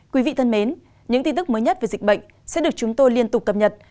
quý vị thân mến những tin tức mới nhất về dịch bệnh sẽ được chúng tôi liên tục cập nhật